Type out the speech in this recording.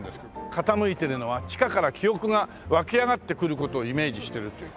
傾いてるのは地下から記憶が湧き上がってくる事をイメージしてるっていう。